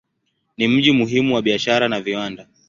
Ni mji muhimu wa biashara na viwanda.